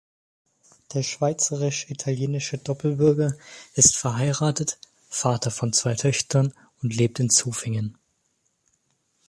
Der schweizerisch-italienische Doppelbürger ist verheiratet, Vater von zwei Töchtern und lebt in Zofingen.